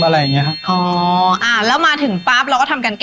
ไม่กลัวทิ้งไว้ทุกวัน